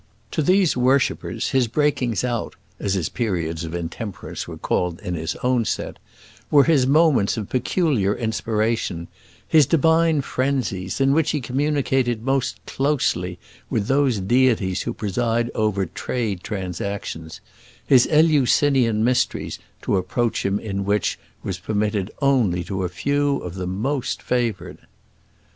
To these worshippers his breakings out, as his periods of intemperance were called in his own set, were his moments of peculiar inspiration his divine frenzies, in which he communicated most closely with those deities who preside over trade transactions; his Eleusinian mysteries, to approach him in which was permitted only to a few of the most favoured.